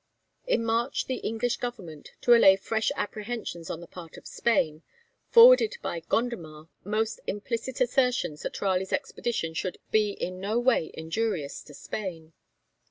In March the English Government, to allay fresh apprehensions on the part of Spain, forwarded by Gondomar most implicit assertions that Raleigh's expedition should be in no way injurious to Spain.